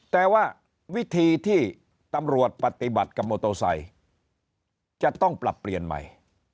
แต่ว่าวิธีที่ตำรวจปฏิบัติกับโมโตไซค์จะต้องปรับเปลี่ยนใหม่